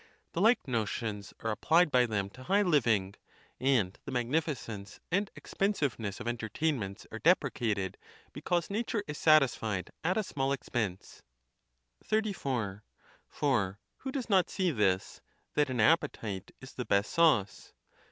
The like notions are applied by them to high liv ing; and the magnificence and expensiveness of entertain * ments are deprecated, because nature is satisfied at a small expense. XXXIV. For who does not see this, that an appetite is the best sauce?